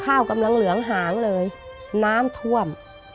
กำลังเหลืองหางเลยน้ำท่วม